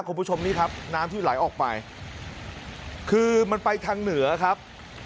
คุณผู้ชมนี่ครับน้ำที่ไหลออกไปคือมันไปทางเหนือครับ